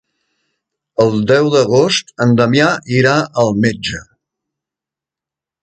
El deu d'agost en Damià irà al metge.